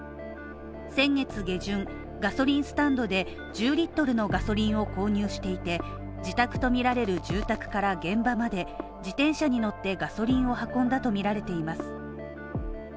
先月下旬、ガソリンスタンドで１０Ｌのガソリンを購入していて自宅とみられる住宅から現場まで自転車に乗ってガソリンを運んだとみられています。